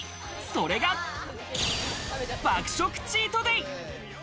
それが爆食チートデイ。